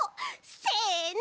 せの。